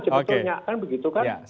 sebetulnya kan begitu kan